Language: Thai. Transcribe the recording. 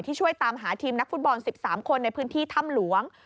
ช่วยตามหาทีมนักฟุตบอล๑๓คนในพื้นที่ถ้ำหลวง